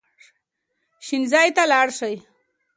شین ځای ته لاړ شئ.